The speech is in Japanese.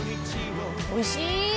おいしい！